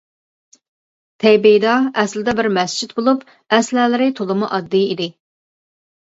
تەيبېيدا ئەسلىدە بىر مەسچىت بولۇپ، ئەسلىھەلىرى تولىمۇ ئاددىي ئىدى.